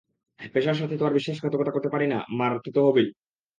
পেশার সাথে তো আর বিশ্বাসঘাতকতা করতে পারি না, মারতে তো হবেই।